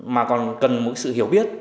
mà còn cần một sự hiểu biết